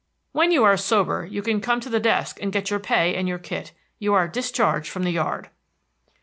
"When you are sober, you can come to the desk and get your pay and your kit. You are discharged from the yard."